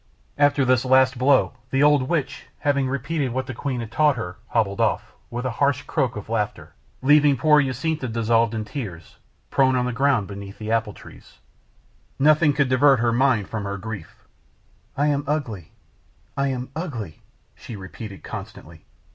After this last blow, the old witch, having repeated what the queen had taught her, hobbled off, with a harsh croak of laughter, leaving poor Jacinta dissolved in tears, prone on the ground beneath the apple trees. Nothing could divert her mind from her grief. "I am ugly I am ugly," she repeated constantly.